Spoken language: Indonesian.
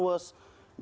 bahwa ini menjadi alasan